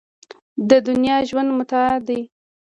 د دنیا ژوند متاع ده.